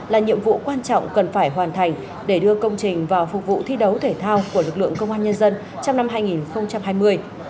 là nhiệm vụ quan trọng cần phải hoàn thành để đưa công trình vào phục vụ thi đấu thể thao của lực lượng công an nhân dân trong năm hai nghìn hai mươi